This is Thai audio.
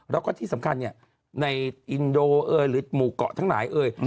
แล้วก็ที่สำคัญในอินโดหรือหมู่เกาะทั้งหลาย